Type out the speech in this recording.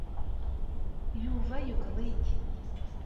Yuba yukeḍ-ik.